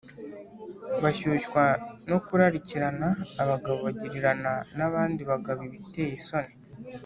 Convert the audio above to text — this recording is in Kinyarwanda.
bashyushywa no kurarikirana Abagabo bagirirana n’abandi bagabo ibiteye isoni